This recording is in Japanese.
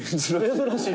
「珍しい」